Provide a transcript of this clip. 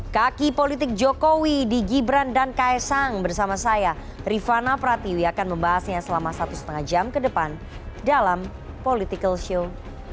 kaki politik jokowi di gibran dan kaesang bersama saya rifana pratiwi akan membahasnya selama satu lima jam ke depan dalam political show